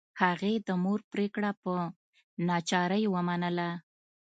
هغې د مور پریکړه په ناچارۍ ومنله